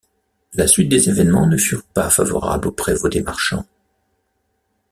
La suite des événements ne furent pas favorables au prévôt des marchands.